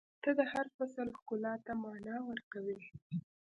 • ته د هر فصل ښکلا ته معنا ورکوې.